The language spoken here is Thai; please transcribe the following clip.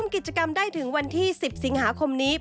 กิจกรรมได้ถึงวันที่๑๐สิงหาคมนี้